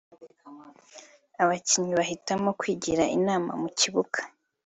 Abakinnyi bahitamo kwigira inama mu kibuga